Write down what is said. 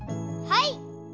はい！